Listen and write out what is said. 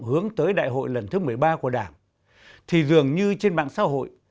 hướng tới đại hội lần thứ một mươi ba của đảng thì dường như trên mạng xã hội